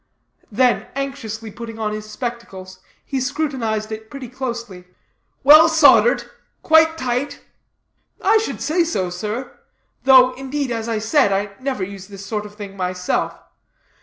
Then, anxiously putting on his spectacles, he scrutinized it pretty closely "well soldered? quite tight?" "I should say so, sir; though, indeed, as I said, I never use this sort of thing, myself.